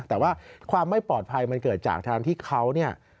แต่ว่าความไม่ปลอดภัยมันเกิดจากทางที่เขาเนี่ย